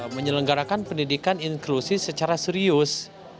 menyelenggarakan pendidikan inklusif secara serius